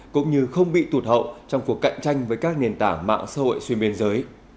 cũng như không bị tụt hậu trong cuộc cạnh tranh với các nền tảng mạng xã hội xuyên biên giới